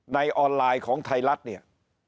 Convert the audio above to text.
ในออนไลน์ของไทยรัฐเนี่ย